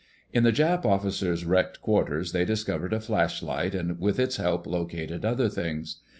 In the Jap officers' wrecked quarters they discovered a flashlight, and with its help located other things.